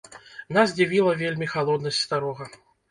Нас дзівіла вельмі халоднасць старога.